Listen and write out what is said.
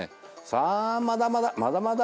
「さあまだまだまだまだ。